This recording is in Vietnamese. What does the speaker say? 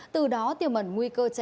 từ đó tiêu mẩn nguy cơ chứa